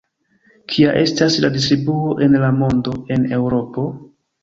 Kia estas la distribuo en la mondo, en Eŭropo?